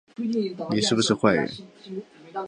你是不是坏人